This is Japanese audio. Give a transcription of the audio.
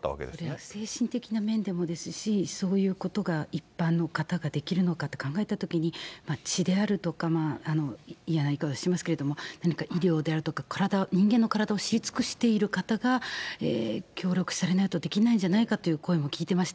これは精神的な面でもですし、そういうことが一般の方ができるのかって考えたときに、血であるとか、嫌な言い方をしますけれども、医療であるとか体を、人間の体を知り尽くしている方が協力されないとできないんじゃないかという声も聞いてました。